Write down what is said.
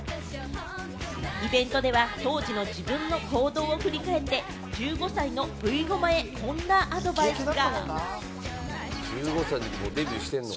イベントでは、当時の自分の行動を振り返って、１５歳のぶいごまへ、こんなアドバイスが。